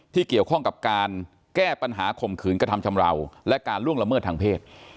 ที่เกี่ยวข้องกับการแก้ปัญหาข่มขืนกระทำชำราวและการล่วงละเมิดทางเพศ